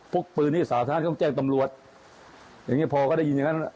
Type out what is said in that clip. กปืนให้สาธารณต้องแจ้งตำรวจอย่างเงี้พอก็ได้ยินอย่างนั้น